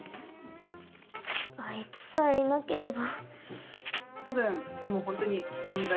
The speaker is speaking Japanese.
アイツさえいなければ。